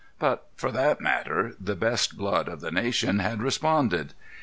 But, for that matter, the best blood of the nation had responded.